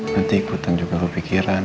nanti ikutan juga kepikiran